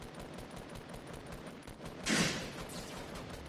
Vévoda své manželství s ženou nižšího původu nenáviděl.